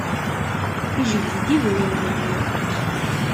Yejbed-d idrimen-nni.